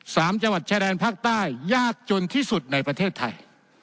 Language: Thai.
สามจังหวัดชายแดนภาคใต้ยากจนที่สุดในประเทศไทย